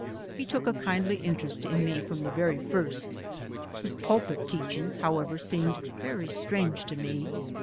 He took a kindly interest in me from the very first. His pulpit teachings, however, seemed very strange to me.